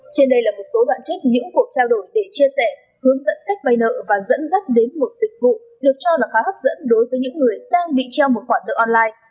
trên đây là một số đoạn trích những cuộc trao đổi để chia sẻ hướng dẫn cách vay nợ và dẫn dắt đến một dịch vụ được cho là khá hấp dẫn đối với những người đang bị treo một khoản nợ online